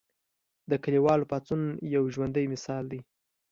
د کلیوالو پاڅون یو ژوندی مثال دی.